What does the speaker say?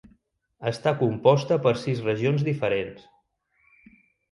Està composta per sis regions diferents.